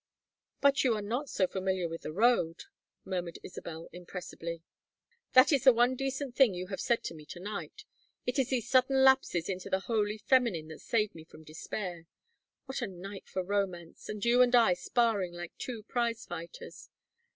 "But you are not so familiar with the road," murmured Isabel, irrepressibly. "That is the one decent thing you have said to me to night. It is these sudden lapses into the wholly feminine that save me from despair. What a night for romance, and you and I sparring like two prize fighters!